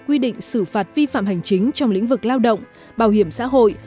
quy định xử phạt vi phạm hành chính trong lĩnh vực lao động bảo hiểm xã hội